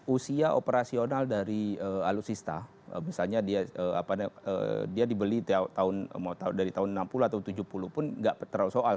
usia operasional dari alutsista misalnya dia dibeli dari tahun enam puluh atau tujuh puluh pun nggak terlalu soal